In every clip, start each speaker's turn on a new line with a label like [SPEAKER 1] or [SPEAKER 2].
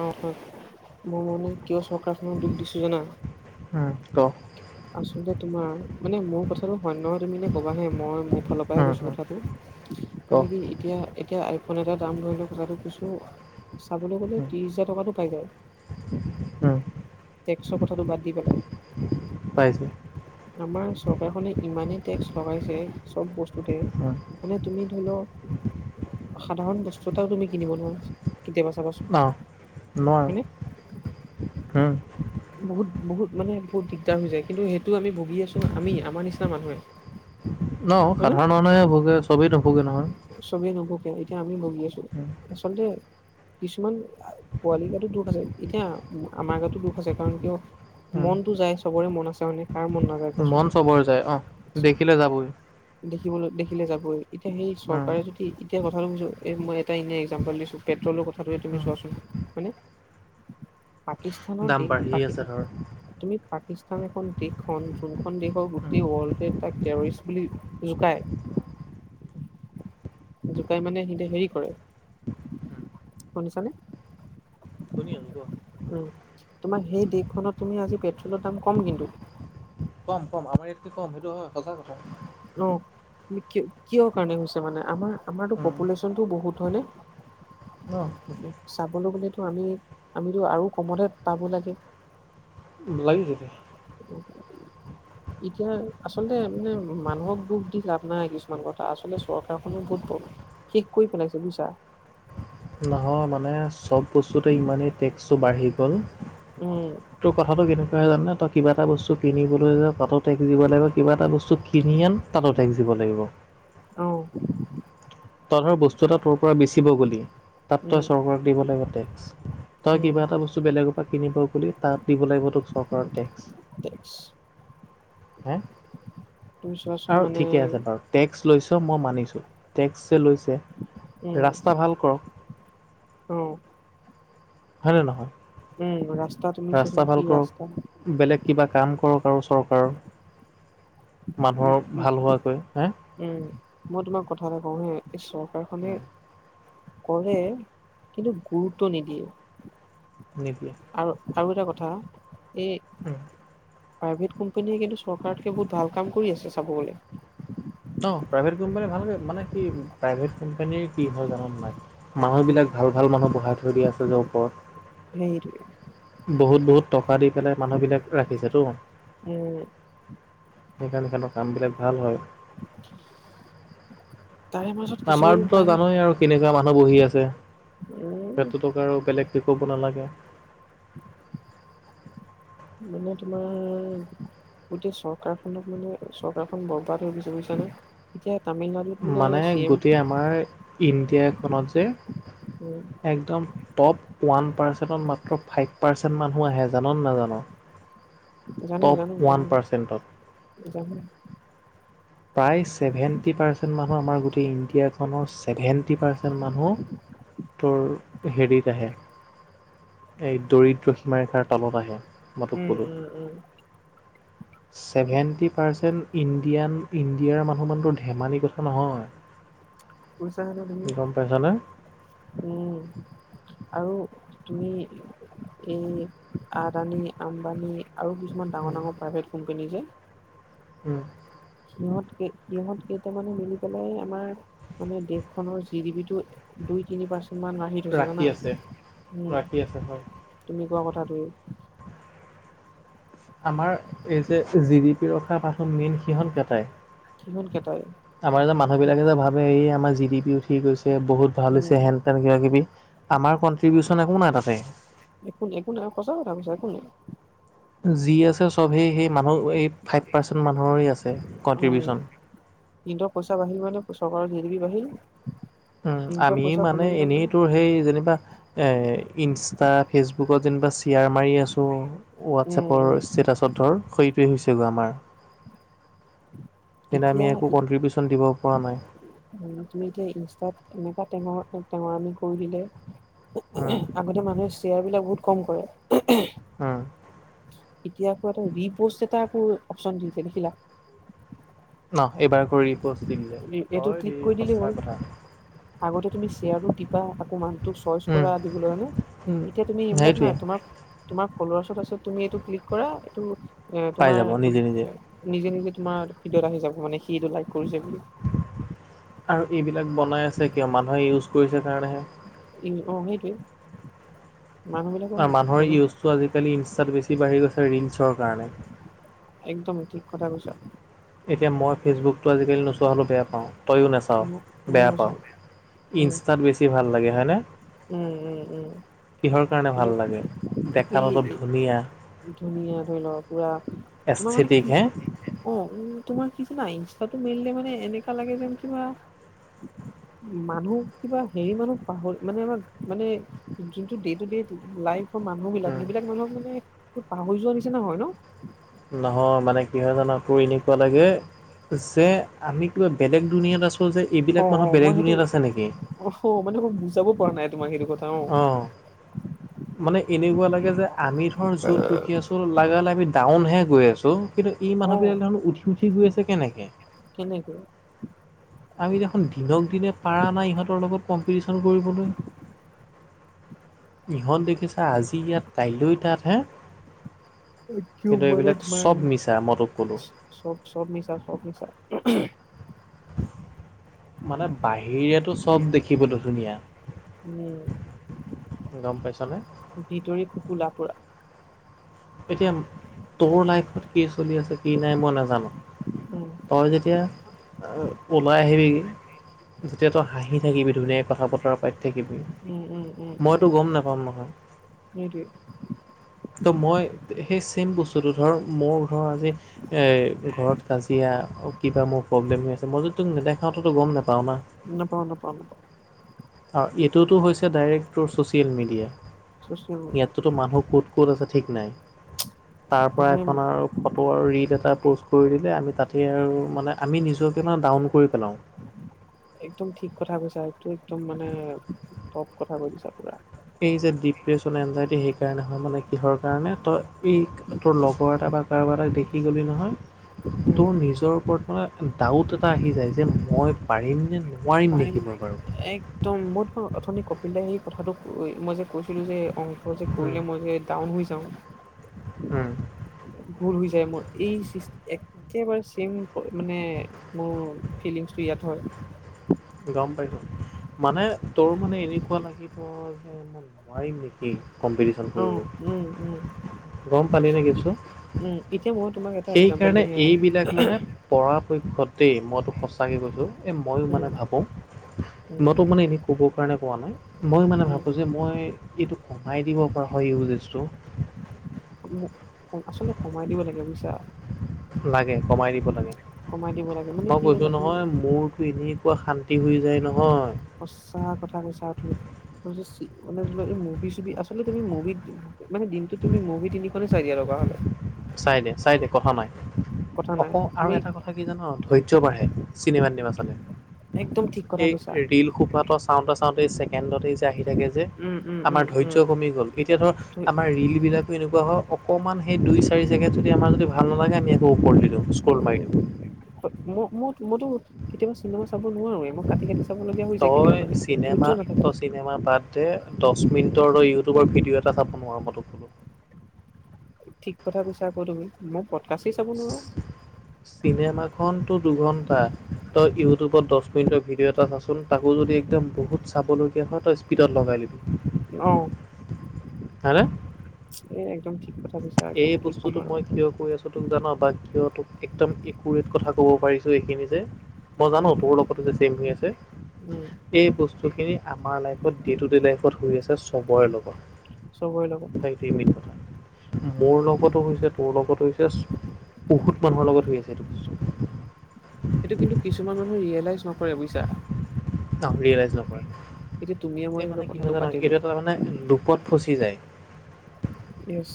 [SPEAKER 1] অহ-অহ' মই মানে কিয় চৰকাৰখনক দুখ দিছো জানা
[SPEAKER 2] উম, ক
[SPEAKER 1] আচলতে তোমাৰ মানে মোৰ কথাটো হয় নে নহয় তুমি এনেই ক'বা দেই। মই মোৰ ফালৰ পৰাই
[SPEAKER 2] উম,
[SPEAKER 1] কৈছোঁ
[SPEAKER 2] উম,
[SPEAKER 1] কথাটো,
[SPEAKER 2] ক
[SPEAKER 1] মানে কি এতিয়া এতিয়া আইফোন এটা দাম ধৰি লৈ কথাটো কিছু চাবলৈ গ'লে ত্ৰিশ
[SPEAKER 2] উম,
[SPEAKER 1] হাজাৰ টকাতটো পাই যায়।
[SPEAKER 2] উম,
[SPEAKER 1] টেক্সৰ কথাটো বাদ দি পেলাই।
[SPEAKER 2] পাই‌ যায়।
[SPEAKER 1] আমাৰ চৰকাৰখনে ইমানেই টেক্স লগাইছে চ'ব বস্তুতে
[SPEAKER 2] উম,
[SPEAKER 1] মানে তুমি ধৰি লওঁক সাধাৰণ বস্তু এটাও তুমি কিনিব নোৱাৰা কেতিয়াবা চাবাচোন। হয়নে?
[SPEAKER 2] নোৱাৰে উম।
[SPEAKER 1] বহুত বহুত মানে বহুত দিগদাৰ হৈ যায়। কিন্তু সেইটো আমি ভুগি আছো আমি আমাৰ নিচিনা মানুহে।
[SPEAKER 2] ন'
[SPEAKER 1] হয়নে?
[SPEAKER 2] সাধাৰণ মানুহে ভোগে, চবেই নোভোগে নহয়।
[SPEAKER 1] চবেই নোভোগে, এতিয়া আমি ভগি আছো
[SPEAKER 2] উম,
[SPEAKER 1] আচলতে কিছুমান পোৱালি গাতো দুখ আছে, এতিয়া আমাৰ গাতো দুখ আছে কাৰণ কিয়
[SPEAKER 2] উম,
[SPEAKER 1] মনতো যায় চবৰে মন আছে মানে কাৰ মন নাযায় কোৱাচোন
[SPEAKER 2] মন চবৰে যায় অঁ' দেখিলে যাবই।
[SPEAKER 1] দেখিবলৈ, দেখিলে যাবই এতিয়া সেই
[SPEAKER 2] উম,
[SPEAKER 1] চৰকাৰে যদি এতিয়া কথাটো বুইছো এ মই এটা এনেই একজাম্পল দিছো পেট্ৰলৰ কথাটোৱে তুমি
[SPEAKER 2] উম,
[SPEAKER 1] চোৱাচোন, হয়নে।
[SPEAKER 2] দাম
[SPEAKER 1] পাকিস্থানতে
[SPEAKER 2] বাঢ়ি
[SPEAKER 1] পাকি
[SPEAKER 2] আছে ধৰ উম,
[SPEAKER 1] তুমি পাকিস্তান এখন দেশখন যোনখন দেশক গোটেই
[SPEAKER 2] উম,
[SPEAKER 1] ৱৰ্ল্ডে তাক টেৰৰিষ্ট বুলি জোকায়। জোকাই মানে সিহঁতে হেৰি কৰে, শুনিছানে?
[SPEAKER 2] শুনিছোঁ।
[SPEAKER 1] উম, তোমাৰ সেই দেশখনত তুমি আজি পেট্ৰলৰ দাম কম কিন্তু।
[SPEAKER 2] কম কম আমাৰ ইয়াতকে কম, সেইটো হয় সঁচা কথা।
[SPEAKER 1] হেল্ল'। কি কিহৰ কাৰণে হৈছে মানে আমাৰ আমাৰতো
[SPEAKER 2] উম,
[SPEAKER 1] পপুলেশ্যনটো বহুত হয় নে।
[SPEAKER 2] অঁ সেইটোৱেই।
[SPEAKER 1] চাবলৈ গ'লেটো আমি, আমিতো আৰু কমতহে পাব লাগে
[SPEAKER 2] লাগিব তো।
[SPEAKER 1] [unintelligible] এতিয়া আচলতে মানে মানুহক দোষ দি লাভ নাই কিছুমান কথা, আচলতে চৰকাৰখনো বহুত শেষ কৰি পেলাইছে বুজিছা।
[SPEAKER 2] নহয় মানে চ'ব বস্তুতে ইমানেই টেক্সটো বাঢ়ি গ'ল-
[SPEAKER 1] উম,
[SPEAKER 2] তোৰ কথাটো কেনেকুৱা জানানে তই কিবা এটা বস্তু কিনিবলৈ যা তাতো টেক্স দিব লাগিব, কিবা এটা বস্তু কিনি আন তাতো টেক্স দিব লাগিব।
[SPEAKER 1] অঁ।
[SPEAKER 2] তই ধৰ বস্তু এটা তোৰ পৰা বেচিব গলি তাত
[SPEAKER 1] উম,
[SPEAKER 2] তই চৰকাৰক দিব লাগিব টেক্স। তই
[SPEAKER 1] উম,
[SPEAKER 2] কিবা এটা বস্তু বেলেগৰ পৰা কিনিব গলি তাত দিব লাগিব তোক চৰকাৰৰ টেক্স।
[SPEAKER 1] টেক্স,
[SPEAKER 2] হে
[SPEAKER 1] তুমি চোৱাচোন
[SPEAKER 2] আৰু
[SPEAKER 1] মানে
[SPEAKER 2] ঠিকে আছে বাৰু টেক্স লৈছ মই মানিছোঁ, টেক্স যে লৈছে ৰাস্তা ভাল কৰক।
[SPEAKER 1] অঁ।
[SPEAKER 2] হয়নে নহয়?
[SPEAKER 1] উম, ৰাস্তা তুমি
[SPEAKER 2] ৰাস্তা
[SPEAKER 1] চোৱাচোন
[SPEAKER 2] ভাল
[SPEAKER 1] কি
[SPEAKER 2] কৰক
[SPEAKER 1] ৰাস্তা।
[SPEAKER 2] বেলেগ কিবা কাম কৰক আৰু চৰকাৰৰ
[SPEAKER 1] উম,
[SPEAKER 2] মানুহক
[SPEAKER 1] উম,
[SPEAKER 2] ভাল হোৱাকৈ হা
[SPEAKER 1] উম মই তোমাক কথা এটা কওঁ হা এই চৰকাৰখনে কৰে কিন্তু গুৰুত্ব নিদিয়ে।
[SPEAKER 2] নিদিয়ে
[SPEAKER 1] আৰু আৰু এটা কথা এই
[SPEAKER 2] উম
[SPEAKER 1] প্ৰাইভেট কোম্পানীয়ে কিন্তু চৰকাৰতকে বহুত ভাল কাম কৰি আছে চাব গ'লে।
[SPEAKER 2] অ প্ৰাইভেট কোম্পানী ভালকৈ মানে কি প্ৰাইভেট কোম্পানীৰ কি হয় জানা নে নাই
[SPEAKER 1] উম
[SPEAKER 2] মানুহবিলাক ভাল ভাল মানুহ বহাই থৈ দিয়া আছে যে ওপৰত
[SPEAKER 1] সেইটোৱে
[SPEAKER 2] বহুত বহুত টকা দি পেলাই মানুহবিলাক ৰাখিছেতো
[SPEAKER 1] উম!
[SPEAKER 2] সেইকাৰণে সিহঁতৰ কামবিলাক ভাল হয়।
[SPEAKER 1] তাৰে মাজত কিছুমান প্ৰাইভেট
[SPEAKER 2] এনেকুৱা মানুহ বহি আছে
[SPEAKER 1] উম
[SPEAKER 2] আৰু বেলেগ শিকা'ব নালাগে।
[SPEAKER 1] মানে তোমাৰ গোটেই চৰকাৰখনক মানে চৰকাৰখন বৰ্বাদ হৈ গৈছে বুজিছা নে এতিয়া তামিলনাডু
[SPEAKER 2] মানে গোটেই আমাৰ ইণ্ডিয়াখনত যে
[SPEAKER 1] উম!
[SPEAKER 2] একদম টপ ওৱান মাত্ৰ ফাইভ পাৰ্চেন্ট মানুহ আহে জাননে নাজান
[SPEAKER 1] জানো
[SPEAKER 2] টপ
[SPEAKER 1] জানো
[SPEAKER 2] ওৱান
[SPEAKER 1] জানো
[SPEAKER 2] পাৰ্চেণ্টত
[SPEAKER 1] জানো
[SPEAKER 2] প্ৰায় ছেৱেণ্টি পাৰ্চেন্ত মানুহ আমাৰ ইণ্ডিয়াখনৰ সেৱেনেটি পাৰ্চেন্ত মানুহ তৰ হেৰিত আহে এই দৰিদ্ৰ সীমাৰেখাৰ তলত আহে মই তোক
[SPEAKER 1] উম
[SPEAKER 2] ক'লোঁ
[SPEAKER 1] উম উম
[SPEAKER 2] ছেভেণ্টি পাৰ্চেণ্ট ইণ্ডিয়ান ইণ্ডিয়াৰ মানুহ মানটো ধেমালি কথা নহয়
[SPEAKER 1] পইচানে
[SPEAKER 2] গম পাইছনে
[SPEAKER 1] উম আৰু তুমি এই আদানী আম্বানি আৰু কিছুমান ডাঙৰ ডাঙৰ প্ৰাইভেট কোম্পেনী যে
[SPEAKER 2] উম
[SPEAKER 1] সিহঁত ক সিহঁত কেইটামানে মিলি পেলাই আমাৰ মানে দেশখনৰ জি ডি বি টো দুই তিনি পাৰ্চেন্ট মান আহিল
[SPEAKER 2] ৰাখি
[SPEAKER 1] জনা
[SPEAKER 2] আছে ৰাখি আছে হয়
[SPEAKER 1] তুমি কোৱা কথাটোয়ে
[SPEAKER 2] আমাৰ এই যে জিদিপি ৰখা পাত মেইন সিহত কেইটাই
[SPEAKER 1] সিহঁত কেইটাই
[SPEAKER 2] আমাৰ যে মানুহ বিলাকে যে ভাল ত এই আমাৰ জি ডি পি উঠি গৈছে বহুত ভাল
[SPEAKER 1] উম
[SPEAKER 2] হৈছে হেণ তেন কিবা কিবি আমাৰ কনট্ৰিবউচন একো নাই তাতে
[SPEAKER 1] এক একো আৰু সঁচা কথা কৈছো একো নাই।
[SPEAKER 2] যি আছে চব সেই সেই মানুহ এই ফাইভ পাৰ্চেণ্ট মানুহৰেই আছে কণ্ট্ৰিবিউচন
[SPEAKER 1] কিন্তৰ পইচা বাঢ়িল মানে চৰকাৰৰ জি ডি পি বাঢ়ি-
[SPEAKER 2] উম আমি মানে এনেই তোৰ সেই যেনিবা ইনষ্টা ফেচবুকত যেনিবা চি য়াৰ মাৰি আছোঁ
[SPEAKER 1] উম
[SPEAKER 2] হোৱাটছএপৰ
[SPEAKER 1] উম
[SPEAKER 2] ষ্টেটাছত ধৰ সেইটোৱেই হৈছেগৈ আমাৰ তেনে
[SPEAKER 1] এতিয়া
[SPEAKER 2] আমি একো কণ্ট্ৰিবিউচন দিব পৰা নাই।
[SPEAKER 1] তুমি এতিয়া ইনষ্ট্ৰাত এনেকুৱা টেঙ--টেঙৰামি কৰি দিলে।
[SPEAKER 2] উম,
[SPEAKER 1] [unintelligible] আগতে মানুহে শ্বেয়াৰবিলাক বহুত কম কৰে।
[SPEAKER 2] হয়।
[SPEAKER 1] ইতিহাসটো আকৌ ৰিপ'ষ্ট এটা আকৌ অপচন দিছে দেখিলা?
[SPEAKER 2] ন'? এইবাৰ আকৌ ৰিপ'ষ্ট দি দিলে।
[SPEAKER 1] এইটো
[SPEAKER 2] হয়
[SPEAKER 1] ক্লিক
[SPEAKER 2] দেই
[SPEAKER 1] কৰি দিলেই হ'ল
[SPEAKER 2] সঁচা কথা।
[SPEAKER 1] আগতে তুমি শ্বেয়াৰবোৰ টিপা আকৌ মানুহটোক ছুইচ
[SPEAKER 2] উম,
[SPEAKER 1] কৰা দিবলৈ হয় নে?
[SPEAKER 2] উম,
[SPEAKER 1] এতিয়া তুমি এইবিলাক
[SPEAKER 2] সেইটোৱে
[SPEAKER 1] নাই তোমাক তোমাৰ ফল্লোৱাচত আছে তুমি এইটো ক্লিক কৰা এইটো এ
[SPEAKER 2] পাই যাব
[SPEAKER 1] তোমাৰ এইটো
[SPEAKER 2] নিজে নিজে।
[SPEAKER 1] নিজে নিজে তোমাৰ ভিডিঅ'ত আহি যাব মানে সি তোক লাইক কৰিছে বুলি।
[SPEAKER 2] আৰু এইবিলাক বনাই আছে কিয় মানুহে ইউজ কৰিছে কাৰণেহে।
[SPEAKER 1] ই অঁ সেইটোৱে। মানুহ
[SPEAKER 2] [unintelligible] মানুহৰ
[SPEAKER 1] বিলাকৰ
[SPEAKER 2] ইউজটো আজিকালি ইষ্ট্ৰাত বেছি বাঢ়ি গৈছে ৰীলচৰ কাৰণে।
[SPEAKER 1] একদম ঠিক কথা কৈছা।
[SPEAKER 2] এতিয়া মই ফেচবুকটো আজিকালি নোচোৱা হ'লো বেয়া পাওঁ। তইয়ো নাচাৱ,
[SPEAKER 1] ময়ো
[SPEAKER 2] বেয়া
[SPEAKER 1] নাচাওঁ
[SPEAKER 2] পাৱ।
[SPEAKER 1] উম
[SPEAKER 2] ইনষ্ট্ৰাত বেছি ভাল লাগে হয়নে?
[SPEAKER 1] উম, উম উম।
[SPEAKER 2] কিহৰ কাৰণে
[SPEAKER 1] কিন্তু
[SPEAKER 2] ভাল লাগে? দেখাত
[SPEAKER 1] এই
[SPEAKER 2] অলপ ধুনীয়া।
[SPEAKER 1] ধুনীয়া ধৰিলোৱা পুৰা। তোমাৰ মানে
[SPEAKER 2] এস্থেটিক
[SPEAKER 1] কি
[SPEAKER 2] হে
[SPEAKER 1] অঁ, উম তোমাৰ কিছু নাই ইনষ্ট্ৰাটো মিলিলে মান এনেকা লাগে যেন কিবা মানুহ কিবা হেৰি মানুহ পাহৰি মানে আমাৰ মানে, যোনটো দে টো দেই লাইফ ফৰ মানুহবিলাক
[SPEAKER 2] উম,
[SPEAKER 1] সেইবিলাক মানুহক মানে পাহৰি যোৱা নিচিনা হয় ন'?
[SPEAKER 2] নহয় মানে কি হয় জানা? টু এনেকুৱা লাগে যে আমি কিবা বেলেগ দুনিয়াত আছো যে এইবিলাক মানুহ বেলেগ দুুনীয়াত আছে নেকি?
[SPEAKER 1] অহ্হওঁ, মানে মই বুজাব পৰা নাই তোমাক সেইটো কথা। অ
[SPEAKER 2] অঁ। মানে এনেকুৱা লাগে যে আমি ধৰ য'ত ৰখি আছো লাগিলে আমি ডাউনহে গৈ আছো কিন্তু এই
[SPEAKER 1] অ
[SPEAKER 2] মানুহবিলাক দেখোন উঠি উঠি গৈ আছে কেনেকে?
[SPEAKER 1] কেনেকে?
[SPEAKER 2] আমি দেখোন দিনক দিনে পাৰা নাই ইহঁতৰ লগত কম্পিটিচন কৰিবলে। ইহঁত দেখিছা আজি ইয়াত, কাইলৈ তাত হেঁ।
[SPEAKER 1] [unintelligible] মানে
[SPEAKER 2] মিছা মই তোক ক'লো।
[SPEAKER 1] তোমাৰ চব মিছা মিছা।
[SPEAKER 2] মানে বাহিৰেটো চব দেখিবটো ধুনীয়া।
[SPEAKER 1] উম
[SPEAKER 2] গম পাইছা নে?
[SPEAKER 1] ভিতৰি কু কুলাপৰা।
[SPEAKER 2] এতিয়া তোৰ লাইফত কি চলি আছে, কি নাই মই নাজানো।
[SPEAKER 1] উম
[SPEAKER 2] তই যেতিয়া আ ওলাই আহিবি যেতিয়া তই হাঁহি থাকিবি ধুনীয়াকে কথা- বতৰা পাতি। থাকিবি
[SPEAKER 1] উম উম উম
[SPEAKER 2] মইটো গম নাপাম নহয়।
[SPEAKER 1] সেইটোৱে
[SPEAKER 2] ত' মই সেই ছেম বস্তুটো ধৰক মোৰ ধৰ আজি এই ঘৰত কাজিয়া, কিবা মোৰ প্ৰব্লেম হৈ আছে। মই যদি তোক নেদেখাও তইটো গম নাপাৱ না।
[SPEAKER 1] নেপাওঁ, নেপাওঁ নেপাওঁ।
[SPEAKER 2] আৰু এইটোতো হৈছে ডাইৰেক্ট তোৰ চ'ছিয়েল মেডিয়া।
[SPEAKER 1] চ'ছিয়েল মেড
[SPEAKER 2] ইয়াততো মানুহ ক'ত ক'ত আছে ঠিক নাই, তাৰ পৰা
[SPEAKER 1] মানে
[SPEAKER 2] এখন আৰু ফটো আৰু ৰীল এটা প'ষ্ট কৰি দিলে আমি তাতে আৰু মানে, আমি নিজকে মানে ডাউন কৰি পেলাওঁ।
[SPEAKER 1] একদম ঠিক কথা কৈছা, এইটো একদম মানে টফ কথা কৈ দিছা পুৰা।
[SPEAKER 2] এই যে ডিপ্ৰেশ্যন, এনজাইটি সেইকাৰণে হয় মানে কিহৰ কাৰণে ত ই তোৰ লগৰ এটা বা কাৰোবাৰ এটাক দেখি গ'লি নহয়,
[SPEAKER 1] উম
[SPEAKER 2] তোৰ নিজৰ ওপৰত মানে ডাউট এটা আহি যায় যে মই পাৰিম নে ন
[SPEAKER 1] পাৰিম মই এক দম মোৰ অথনি কপিল দাই সেই কথাটো মই যে কৈছিলো যে অংশ যে
[SPEAKER 2] উম,
[SPEAKER 1] কৰিলে মই যে টাউন হৈ যাওঁ।
[SPEAKER 2] উম।
[SPEAKER 1] ঘোৰ হৈ যায় মোৰ এই এক কেবাৰে চম মানে মোৰ ফিলিংছটো ইয়াত হয়।
[SPEAKER 2] গম পাইছো মানে, তোৰ মানে এনেকুৱা লাগিব যে মোৰ নোৱাৰিম নেকি কম্পিটিচন
[SPEAKER 1] অ উম উম
[SPEAKER 2] কৰিব, গম পালি নে কেছটো।
[SPEAKER 1] উম, এতিয়া মই তোমাক এটা একজাম্পল দিওঁ উম
[SPEAKER 2] পৰাপক্ষতেই মইতো সঁচাকৈ কৈছোঁ। এই ময়ো মানে
[SPEAKER 1] উম
[SPEAKER 2] ভাবোঁ,
[SPEAKER 1] উম
[SPEAKER 2] মইতো মানে এনে ক'ব কাৰণে পোৱা নাই, মই মানে
[SPEAKER 1] উম
[SPEAKER 2] ভাবোঁ যে মই এইটো কমাই দিব পৰা হয় ইউজেজটো।
[SPEAKER 1] মোক আচলতে কমাই দিব লাগে বুজিছা।
[SPEAKER 2] লাগে, কমাই দিব লাগে।
[SPEAKER 1] কমাই দিব লাগে মানে
[SPEAKER 2] মই
[SPEAKER 1] কি
[SPEAKER 2] কৈছো
[SPEAKER 1] জানা তুমি
[SPEAKER 2] নহয় মোৰতো এনে কুৱা শান্তি হৈ যায় নহয়।
[SPEAKER 1] সঁচা কথা কৈছা তুমি। মানে চি মুভি চুভি আচলতে তুমি মুভিত মানে, দিনটোত তুমি মুভি তিনিখনেই চাই দিয়া লগা হলে।
[SPEAKER 2] চাই দে- চাই দে কথা নাই
[SPEAKER 1] কথা
[SPEAKER 2] অক,
[SPEAKER 1] নাই
[SPEAKER 2] আৰু
[SPEAKER 1] তুমি
[SPEAKER 2] এটা কথা কি জান ধৈৰ্য বাঢ়ে। চিনেমাত তিনিমা চালে।
[SPEAKER 1] একদম ঠিক কথা
[SPEAKER 2] এই
[SPEAKER 1] কৈছা।
[SPEAKER 2] ৰীল সোপাটো চাওঁতে চাওঁতে এই ছে কেণ্ডতে যে আহি থাকে, যে
[SPEAKER 1] উম, উম,
[SPEAKER 2] আমাৰ
[SPEAKER 1] উম,
[SPEAKER 2] ধৈৰ্য
[SPEAKER 1] উম।
[SPEAKER 2] কমি গ'ল। এতিয়া ধৰ আমাৰ ৰিলবিলাকো এনেকুৱা হ অকণমান সেই দুই-চাৰি জেগোত যদি আমাৰ যদি ভাল নালাগে, আমি আকৌ ওপৰলে দি দিওঁ স্কল মাৰি দিওঁ।
[SPEAKER 1] হয় মই মই মইতো কেতিয়াবা চিনেমা চাব নোৱাৰোৱে মই কাটি কাটি চাবলগীয়া হৈ যায় কেতিয়াবা মানে ধৈৰ্য নাথাকে।
[SPEAKER 2] চিনেমাহ বাদ দে, দশ মিনিটৰ ইউটিউবৰ ভিডিঅ' এটা চাব নোৱাৰোঁ ফট ফ
[SPEAKER 1] ঠিক কথা কৈছা আকৌ তুমি, মই পটকাচে চাব নোৱাৰো।
[SPEAKER 2] চিনেমা খনটো দুঘন্টা তই ইউটিউবত দশ মিনিটৰ ভিডিঅ এটা চা চোন তাকো যদি একদম বহুত চাবলগীয়া হয়, তই স্পীডত লগাই লবি।
[SPEAKER 1] অঁ
[SPEAKER 2] হয় নে
[SPEAKER 1] এই একদম ঠিক কথা কৈছা একদম
[SPEAKER 2] এই
[SPEAKER 1] কি ক'ম
[SPEAKER 2] বস্তুটো
[SPEAKER 1] আৰু
[SPEAKER 2] মই কিয় কৈ আছোঁ তোক জান বা কিয় তোক একদম একুৰেট কথা কব পাৰিছো এইখিনি যে। মই জানো
[SPEAKER 1] উম,
[SPEAKER 2] তোৰ লগত যে চেম হৈ আছে।
[SPEAKER 1] উম।
[SPEAKER 2] এই বস্তুখিনি আমাৰ লাইফত ডে টু ডে লাইফত হৈ আছে চবৰে লগত।
[SPEAKER 1] চবৰে লগত।
[SPEAKER 2] [unintelligible] মোৰ লগতো হৈছে তোৰ লগতো হৈছে বহুত মানুহৰ লগত হৈ আছে এইটো বস্তু।
[SPEAKER 1] সেইটো কিন্তু কিছুমান মানুহে ৰিয়েলাইজ নকৰে বুজিছা। এতিয়া তুমিয়ে
[SPEAKER 2] [unintelligible]
[SPEAKER 1] মই
[SPEAKER 2] এই
[SPEAKER 1] ধৰি
[SPEAKER 2] মানে
[SPEAKER 1] লও
[SPEAKER 2] কি হয়
[SPEAKER 1] কথাটো
[SPEAKER 2] জান
[SPEAKER 1] পাতিলো
[SPEAKER 2] এইটো তাৰ মানে লুপত ফচি যায়।
[SPEAKER 1] ইয়েছ।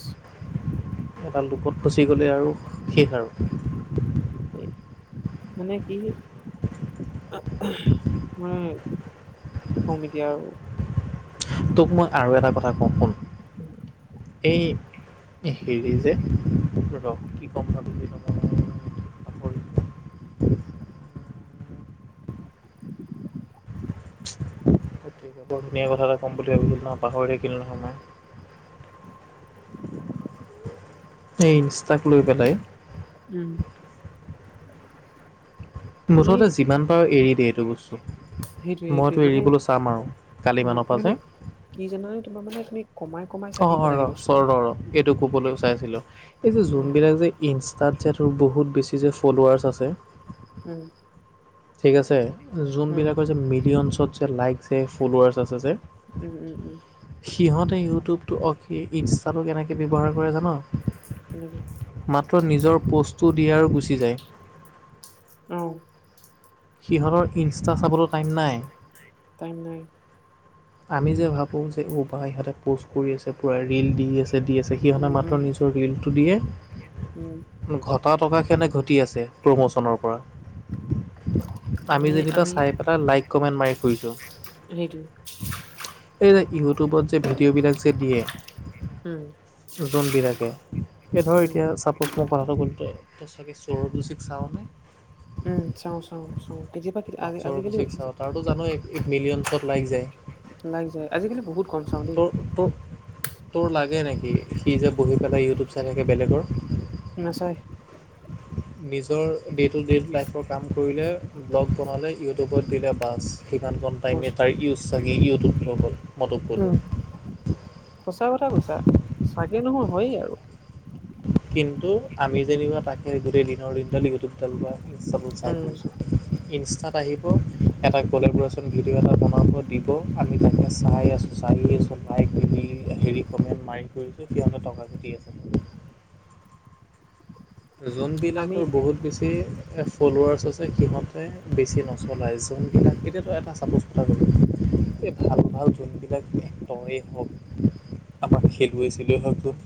[SPEAKER 2] এটা লোপত ফচি গ'লে আৰু শেষ আৰু।
[SPEAKER 1] মানে কি উম, কি কম এতিয়া আৰু।
[SPEAKER 2] তোক মই আৰু এটা কথা কওঁ শুন। এই হেৰি যে ৰস কি ক'ম ন বুলি ক
[SPEAKER 1] [inaudible]
[SPEAKER 2] গতিকে বৰ ধুনীয়া কথা এটা ক'ম বুলি ভাবিছিলোঁ, পাহৰি থাকিল নহয় মই। এই ইনষ্টাক লৈ পেলাই।
[SPEAKER 1] উম। তুমি
[SPEAKER 2] মুঠতে যিমান পাৰো এৰি দিয়ে এইটো বস্তু।
[SPEAKER 1] সেইটোৱে সেইটোৱে
[SPEAKER 2] মইতো
[SPEAKER 1] মানে
[SPEAKER 2] এৰিবলৈ চাম আৰু কালি
[SPEAKER 1] উম
[SPEAKER 2] মানৰ পৰা
[SPEAKER 1] মানে
[SPEAKER 2] যে।
[SPEAKER 1] কি জানে তোমাৰ মানে তুমি কমাই কমাই চাই
[SPEAKER 2] অ',
[SPEAKER 1] থাকিব
[SPEAKER 2] অ'ৰ
[SPEAKER 1] লাগে বস্তুটো।
[SPEAKER 2] চৰ ৰ, ৰ এইটো কবলৈ চাইছিলোঁ এই যে
[SPEAKER 1] উম,
[SPEAKER 2] যোনবলাক যে ইনষ্টাত যে বহুত বেছি যে ফ'লোৱাৰছ আছে।
[SPEAKER 1] উম।
[SPEAKER 2] ঠিক আছে
[SPEAKER 1] উম,
[SPEAKER 2] যোনবিলাকৰ যে মিলিয়নত যে লাইক যে ফলাৰ আছে যে।
[SPEAKER 1] উম, উম, উম।
[SPEAKER 2] সিহঁতে ইউটিউবটো অ', ইনষ্টাটো কেনেকে ব্যৱহাৰ কৰে জান?
[SPEAKER 1] কেনেকে?
[SPEAKER 2] মাত্ৰ নিজৰ পষ্টটো দি আৰু গুচি যায়।
[SPEAKER 1] অ'।
[SPEAKER 2] সিহঁতৰ ইনষ্টা চাবলৈ টাইম নাই।
[SPEAKER 1] তাইম নাই।
[SPEAKER 2] আমি যে ভাবোঁ যে অ', বা ইহঁতে প'ষ্ট কৰি আছে পূৰা ৰিল দি আছে। দি আছে,
[SPEAKER 1] উম,
[SPEAKER 2] সিহঁতে
[SPEAKER 1] উম,
[SPEAKER 2] মাত্ৰ নিজৰ ৰিলটো দিয়ে।
[SPEAKER 1] উম।
[SPEAKER 2] ঘটা টকা সিহঁতে ঘটি আছে প্ৰমোচনৰ পৰা। আমি যেনিবা চাই পেলাই লাইক কমেণ্ট মাৰি ফুৰিছোঁ।
[SPEAKER 1] সেইটো
[SPEAKER 2] এই ইউটিউবত যে ভিডিঅ ভিডিঅ'বিলাক যে দিয়ে
[SPEAKER 1] উম,
[SPEAKER 2] জোনবিলাকে এই ধৰ
[SPEAKER 1] উম,
[SPEAKER 2] এতিয়া ছাপোছ মই কথাটো গুৰুত্ব গৈ চৰটোছিক চাঅ নে?
[SPEAKER 1] উম চাওঁ, চাওঁ, চাওঁ কেতিয়াবা আজিকালি
[SPEAKER 2] তইটো জানয়েই মিলিয়নছত লাইক যায়।
[SPEAKER 1] লাইক যায় আজিকালি বহুত কম চাওঁ দেই।
[SPEAKER 2] তোৰ তোৰ তোৰ লাগে নেকি সি যে বহি পেলাই ইউটিউব চাই থাকে বেলেগৰ।
[SPEAKER 1] নাচাই।
[SPEAKER 2] নিজৰ ডে টু ডে লাইফৰ কাম ফুলে ব্লগ বনালে ইউটিউবত দিলে বাছ সিমান ঘ
[SPEAKER 1] বছ
[SPEAKER 2] টাইমে তাৰ ইউজ চাগে ইউটিউব হৈ গল।
[SPEAKER 1] উম সঁচা কথা কৈছা চাগে নহয় হয়েই আৰু।
[SPEAKER 2] কিন্তু আমি যেনিবা তাকে গোটেই দিনৰ দিনডাল ইউটিউবডাল বা ইন্সটাবোৰ চাই ফুৰিছো।
[SPEAKER 1] [inaudible]
[SPEAKER 2] ইনষ্টাত আহিব এটা কলেবৰেচন ভিডিঅ' এটা বনাব দিব আমি তাকে চাই আছোঁ। চাই আছোঁ লাইক কৰি হেৰি কমেণ্ট মাৰি ফুৰিছোঁ সিহঁতে টকা ঘটি আছে।
[SPEAKER 1] আমি
[SPEAKER 2] যোনবিলাকৰ বহুত বেছি ফ'লোৱাৰছ আছে সিহঁতে বেছি নচলায় যোনবিলাক এতিয়াতো এটা চাপজ এটা কথা কৈছোঁ, এই ভাল ভাল যোনবিলাক এক্টৰেই হওক আমাৰ খেলুৱৈ ছেলুৱৈ হয়তো